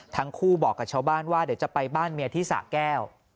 ทั้งคู่บอกกับชาวบ้านว่าเดี๋ยวจะไปบ้านเมียที่สะแก้ว